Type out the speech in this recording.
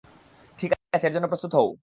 ঠিক আছে, এর জন্য প্রস্তুত হও।